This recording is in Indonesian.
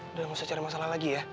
udah gak usah cari masalah lagi ya